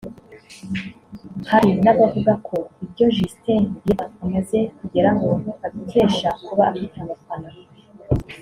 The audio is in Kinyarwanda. Hari n’abavuga ko ibyo Justin Bieber amaze kugeraho abikesha kuba afite abafana